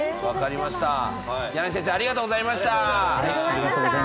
矢内先生ありがとうございました。